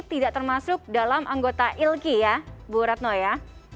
tidak termasuk dalam anggota ilky ya bu ratno ya